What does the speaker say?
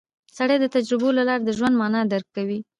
سړی د تجربو له لارې د ژوند مانا درک کوي